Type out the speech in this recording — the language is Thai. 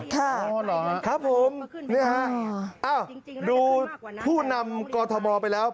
ค่ะครับผมนี่ฮะอ้าวดูผู้นำกรทมไปแล้ว